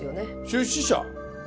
出資者？